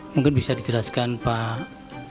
mungkin bisa dijelaskan pak